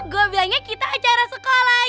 gue bilangnya kita acara sekolah